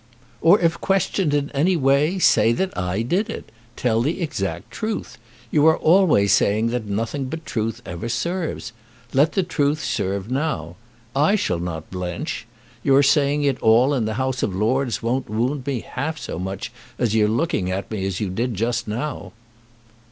"Or if questioned in any way, say that I did it. Tell the exact truth. You are always saying that nothing but truth ever serves. Let the truth serve now. I shall not blench. Your saying it all in the House of Lords won't wound me half so much as your looking at me as you did just now."